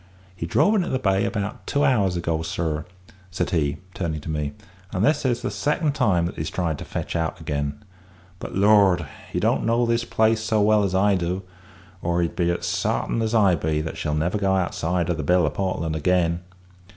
He drove into the bay about two hours ago, sir," said he, turning to me, "and this is the second time that he's tried to fetch out again; but, Lord! he don't know this place so well as I do, or he'd be as sartain as I be that she'll never go outside o' the Bill o' Portland again.